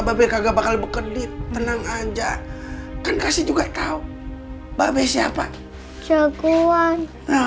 babe kagak bakal bekerja tenang aja kan kasih juga tahu babe siapa jagoan